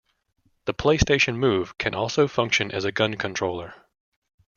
The PlayStation Move can also function as a gun controller.